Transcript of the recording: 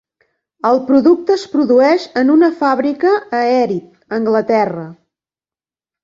El producte es produeix en una fàbrica a Erith, Anglaterra.